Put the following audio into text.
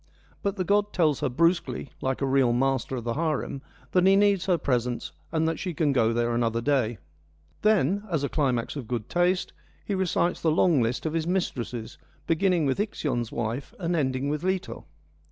But the god tells her brusquely, like a real master of the harem, that he needs her presence and that she can go there another day : then, as a climax of good taste, he recites the long list of his mistresses, beginning with Ixion's wife and ending with Leto.